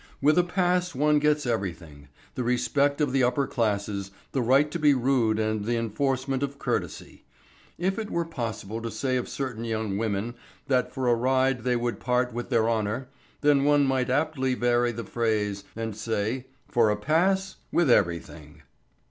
With a pass one gets everything, the respect of the upper classes, the right to be rude and the enforcement of courtesy. If it were possible to say of certain young women that for a ride they would part with their honour, then one might aptly vary the phrase and say: for a pass, with everything.